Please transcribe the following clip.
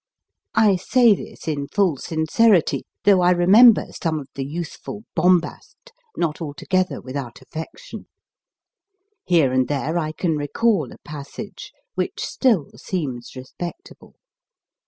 I say this in full sincerity, though I remember some of the youthful bombast not altogether without affec tion. Here and there I can recall a passage which still seems respectable.